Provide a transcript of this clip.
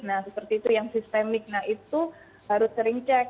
nah seperti itu yang sistemik nah itu harus sering cek